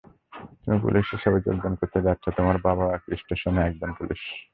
তুমি পুলিশ হিসাবে যোগদান করতে যাচ্ছ, তোমার বাবাও এই স্টেশনে একজন পুলিশ।